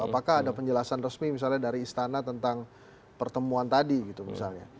apakah ada penjelasan resmi misalnya dari istana tentang pertemuan tadi gitu misalnya